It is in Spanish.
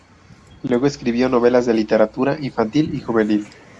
Luego escribió novelas de literatura infantil y juvenil.